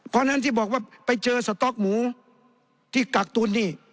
เพราะฉะนั้นที่บอกว่าไปเจอสต๊อกหมูที่กักตุนนี่